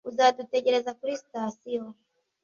Uzadutegereza kuri sitasiyo?